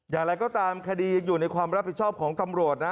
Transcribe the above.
อย่างไรก็ตามคดีอยู่ในความรับผิดชอบของตำรวจนะ